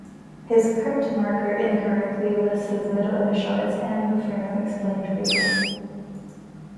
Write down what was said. His crypt marker incorrectly lists his middle initial as "M" for no explained reason.